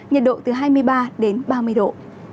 nhiệt độ từ hai mươi ba ba mươi độ